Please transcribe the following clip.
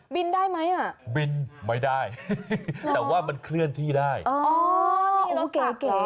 บินได้ไหมอ่ะบินไม่ได้แต่ว่ามันเคลื่อนที่ได้อ๋อนี่รถเก๋เก๋